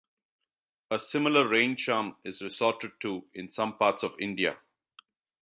A similar rain-charm is resorted to in some parts of India.